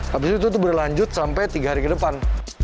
habis itu tuh berlanjut sampai tiga hari kedepan